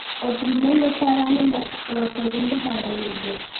O primeiro para nenos e o segundo para adultos.